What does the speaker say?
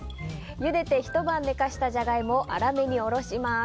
ゆでてひと晩寝かしたジャガイモを粗めにおろします。